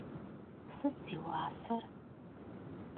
Sıt zi vuaser?